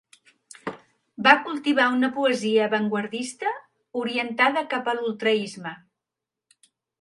Va cultivar una poesia avantguardista, orientada cap a l'ultraisme.